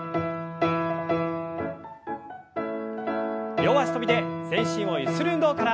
両脚跳びで全身をゆする運動から。